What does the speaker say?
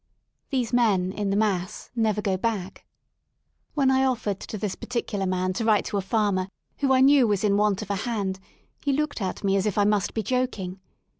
These men in the mass never go back. When I offered to this particular man to write to a farmer who I knew was in want of a hand he looked at me as if I must be joking.